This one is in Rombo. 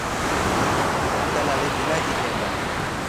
Utalale bila ihemba.